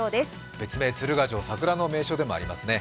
別名・鶴ヶ城、桜の名所でもありますね。